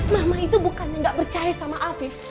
mama itu bukan nggak percaya sama afif